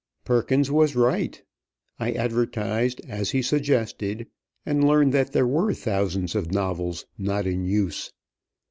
Perkins was right. I advertised as he suggested, and learned that there were thousands of novels not in use.